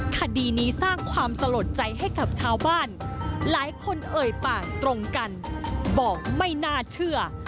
คดีนี้สร้างความสลดใจให้กับชาวบ้านหลายคนเอ่ยปากตรงกันบอกไม่น่าเชื่อ